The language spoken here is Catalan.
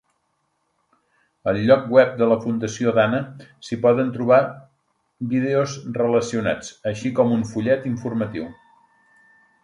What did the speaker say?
Al lloc web de la Fundació Dana s'hi poden trobar vídeos relacionats, així com un fullet informatiu.